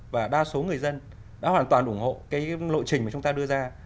và đa số người dân đã hoàn toàn ủng hộ cái lộ trình mà chúng ta đưa ra